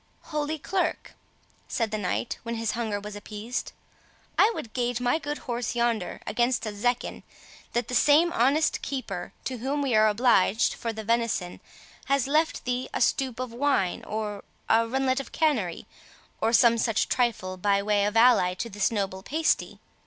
"Holy Clerk," said the knight, when his hunger was appeased, "I would gage my good horse yonder against a zecchin, that that same honest keeper to whom we are obliged for the venison has left thee a stoup of wine, or a runlet of canary, or some such trifle, by way of ally to this noble pasty.